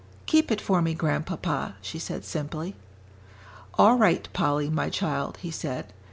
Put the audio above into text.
"Keep it for me, Grandpapa," she said simply. "All right, Polly, my child," he said.